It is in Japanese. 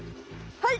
はい！